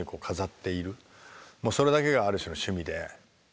もうそれだけがある種の趣味で。